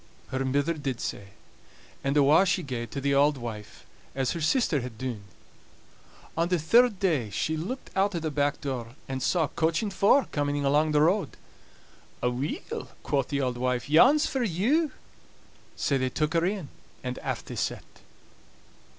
Her mither did sae; and awa' she gaed to the auld wife, as her sister had dune. On the third day she looked out o' the back door, and saw a coach and four coming along the road. "Aweel," quo' the auld wife, "yon's for you." Sae they took her in, and aff they set.